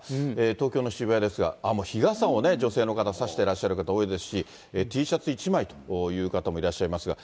東京の渋谷ですが、日傘をね、女性の方、差していらっしゃる方多いですし、Ｔシャツ１枚という方もいらっしゃいますが。